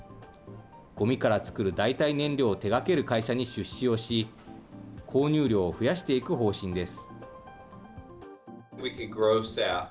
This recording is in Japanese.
ごみから作る代替燃料を手がける会社に出資をし、購入量を増やしていく方針です。